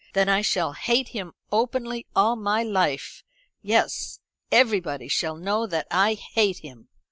"Then I shall hate him openly all my life. Yes, everybody shall know that I hate him."